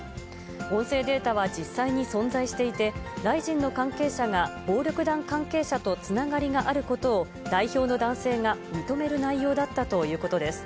音声データは実際に存在していて、ライジンの関係者が暴力団関係者とつながりがあることを、代表の男性が認める内容だったということです。